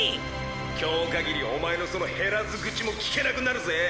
今日かぎりお前のその減らず口も聞けなくなるぜ。